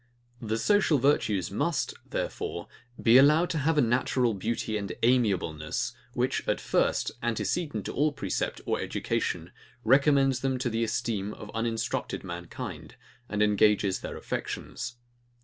The social virtues must, therefore, be allowed to have a natural beauty and amiableness, which, at first, antecedent to all precept or education, recommends them to the esteem of uninstructed mankind, and engages their affections.